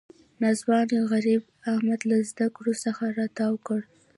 ناځوانه غریبۍ احمد له زده کړو څخه را تاو کړ.